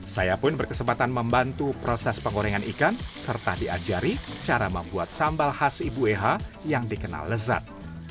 saya pun berkesempatan membantu proses penggorengan ikan serta diajari cara membuat sambal khas ibu eha yang dikenal lezat